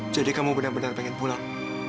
jadi kamu benar benar pengen pulang